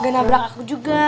gak nabrak aku juga